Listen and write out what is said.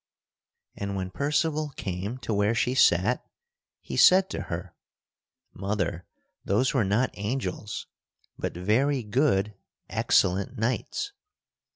And when Percival came to where she sat he said to her: "Mother, those were not angels, but very good, excellent knights."